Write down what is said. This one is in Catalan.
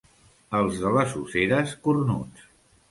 Els de les Useres, cornuts.